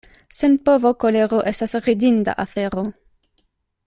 Sen povo kolero estas ridinda afero.